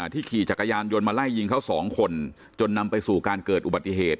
ขี่จักรยานยนต์มาไล่ยิงเขาสองคนจนนำไปสู่การเกิดอุบัติเหตุ